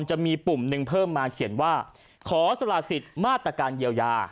จะมีปุ่มหนึ่งเพิ่มมาเขียนว่าขอสละสิทธิ์มาตรการเยียวยา